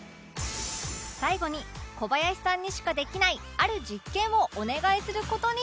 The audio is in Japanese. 最後に小林さんにしかできないある実験をお願いする事に